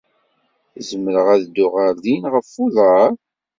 Zemreɣ ad dduɣ ɣer din ɣef uḍar?